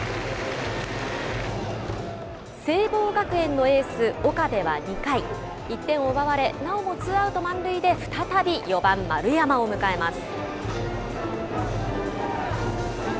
聖望学園のエース、岡部は２回、１点を奪われ、なおもツーアウト満塁で再び４番丸山を迎えます。